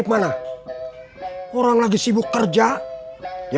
apanya kalau diketahui